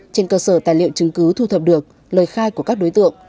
trên cơ sở tài liệu chứng cứ thu thập được lời khai của các đối tượng